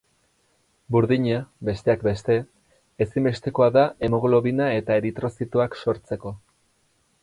Burdina, besteak beste, ezinbestekoa da hemoglobina eta eritrozitoak sortzeko.